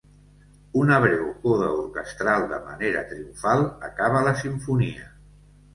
Una breu coda orquestral de manera triomfal acaba la simfonia.